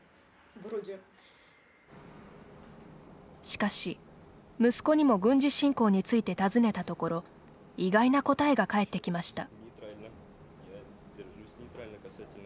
しかし、息子にも軍事侵攻について尋ねたところ意外な答えが返ってきました。